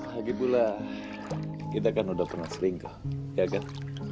lagipula kita kan udah pernah seringkau ya kan